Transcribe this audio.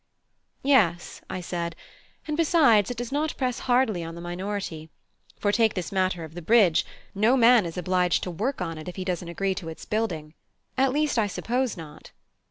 "Yes," I said, "and besides, it does not press hardly on the minority: for, take this matter of the bridge, no man is obliged to work on it if he doesn't agree to its building. At least, I suppose not."